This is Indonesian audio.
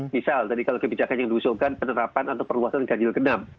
misal tadi kalau kebijakan yang diusulkan penerapan atau perluaskan daniel kenam